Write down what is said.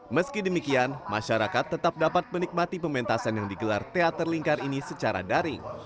meski demikian masyarakat tetap dapat menikmati pementasan yang digelar teater lingkar ini secara daring